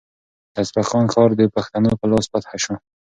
د اصفهان ښار د پښتنو په لاس فتح شو.